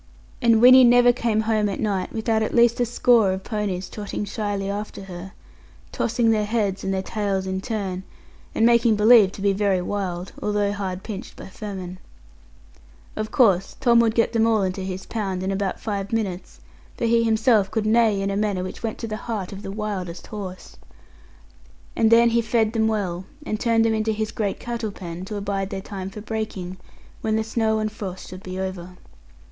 And Winnie never came home at night without at least a score of ponies trotting shyly after her, tossing their heads and their tails in turn, and making believe to be very wild, although hard pinched by famine. Of course Tom would get them all into his pound in about five minutes, for he himself could neigh in a manner which went to the heart of the wildest horse. And then he fed them well, and turned them into his great cattle pen, to abide their time for breaking, when the snow and frost should be over.